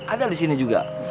ada disini juga